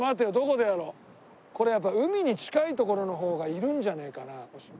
これやっぱ海に近い所の方がいるんじゃねえかな。